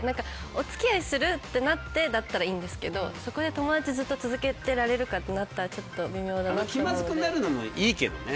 お付き合いするってなってならいいんですけどそこで友達をずっと続けてられるかってなったら気まずくなるのもいいけどね。